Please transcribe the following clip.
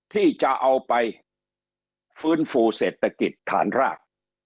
ที่จะเอาไปฟื้นฟูเศรษฐกิจฐานราก